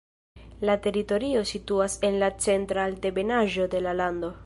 La teritorio situas en la centra altebenaĵo de la lando.